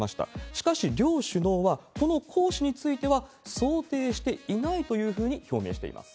しかし、両首脳は、この行使については想定していないというふうに表明しています。